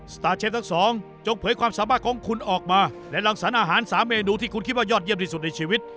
สตาร์เชฟทั้งสองจงเผยความสามารถของคุณออกมาและรังสรรอาหารสามเมนูที่คุณคิดว่ายอดเยี่ยมที่สุดในชีวิต